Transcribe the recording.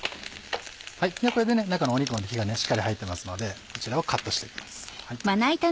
これで中の肉まで火がしっかり入ってますのでこちらをカットして行きます。